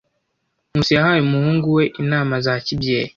Nkusi yahaye umuhungu we inama za kibyeyi.